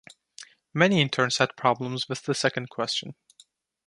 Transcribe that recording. Many interns had problems with the second question.